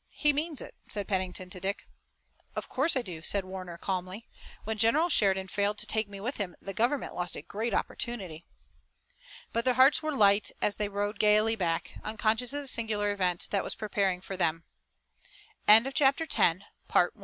He means it," said Pennington to Dick. "Of course I do," said Warner calmly. "When General Sheridan failed to take me with him, the government lost a great opportunity." But their hearts were light and they rode gaily back, unconscious of the singular event that was preparing for them. The army of Early had not been des